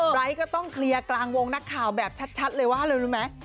ไร้ก็ต้องเคลียร์กลางวงนักข่าวแบบชัดเลยว่าอะไรรู้ไหม